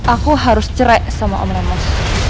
aku harus cerai sama om emas